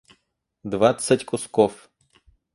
двадцать кусков